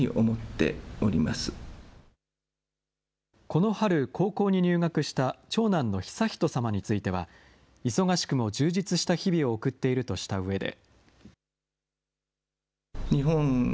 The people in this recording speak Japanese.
この春、高校に入学した長男の悠仁さまについては、忙しくも充実した日々を送っているとしたうえで。